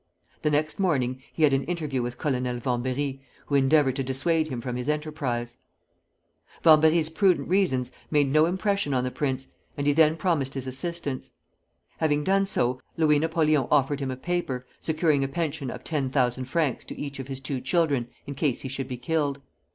The next morning he had an interview with Colonel Vambéry, who endeavored to dissuade him from his enterprise. Vambéry's prudent reasons made no impression on the prince, and he then promised his assistance. Having done so, Louis Napoleon offered him a paper, securing a pension of 10,000 francs to each of his two children, in case he should be killed.